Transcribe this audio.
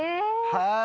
はい。